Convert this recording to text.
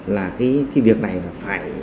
là cái việc này là phải